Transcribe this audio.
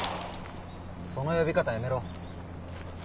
その呼び方やめろ。